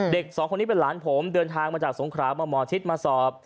เด็กสองคนนี้เป็นหลานผมเดินทางมาจากสงครามาหมอชิดมาสอบ